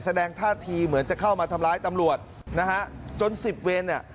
แสดงท่าทีเหมือนจะเข้ามาทำร้ายตำรวจนะฮะจนสิบเวรเนี่ย